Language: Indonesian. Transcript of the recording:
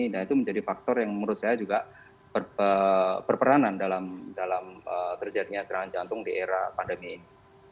dan itu menjadi faktor yang menurut saya juga berperanan dalam terjadinya serangan jantung di era pandemi ini